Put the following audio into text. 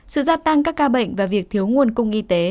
sự gia tăng các ca bệnh và việc thiếu nguồn cung y tế